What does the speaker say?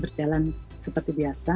berjalan seperti biasa